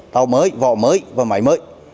tàu mới vỏ mới và máy mới